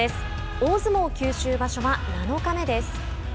大相撲九州場所は７日目です。